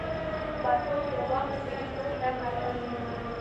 بدلون د وخت د تېرېدو نښه ده.